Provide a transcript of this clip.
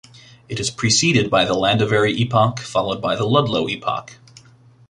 It is preceded by the Llandovery Epoch and followed by the Ludlow Epoch.